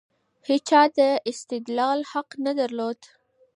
هيچا د استدلال حق نه درلود.